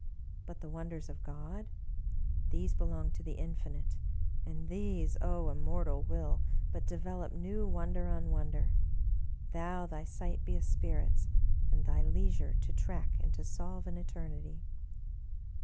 But the wonders of God? These belong to the Infinite ; and these, O Immortal ! will but develop new 104 Bulwer Lytton ivonder on wonder, though thy sight be a spirit's, and thy; leisure to track and to solve an eternity.